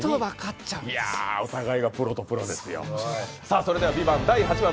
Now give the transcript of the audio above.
お互いがプロとプロですよ。